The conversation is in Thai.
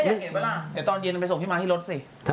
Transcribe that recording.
เดี๋ยวตอนเย็นไปส่งพี่มาที่รถสิ